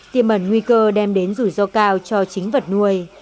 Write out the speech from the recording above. tiêm ẩn nguy cơ đem đến rủi ro cao cho chính vật nuôi